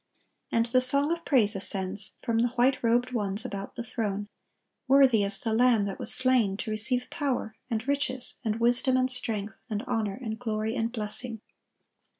And the song of praise ascends from the white robed ones about the throne, "Worthy is the Lamb that was slain to receive power, and riches, and wisdom, and strength, and honor, and glory, and blessing."